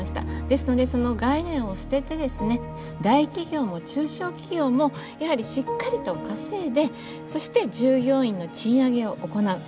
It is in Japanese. ですのでその概念を捨ててですね大企業も中小企業もやはりしっかりと稼いでそして従業員の賃上げを行う。